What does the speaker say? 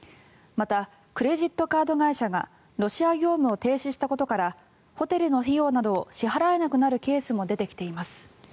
またクレジットカード会社がロシア業務を停止したことからホテルの費用などを支払えなくなるケースも出てきています。